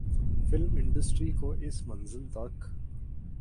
film industry کو اس منزل تک